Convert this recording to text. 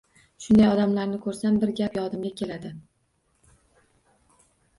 Shunday odamlarni ko‘rsam, bir gap yodimga keladi.